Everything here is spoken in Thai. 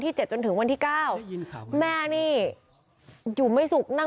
ที่เจ็ดจนถึงวันที่ก้าวไม่ยินค่ะแม่นี่อยู่ไม่สุขนั่ง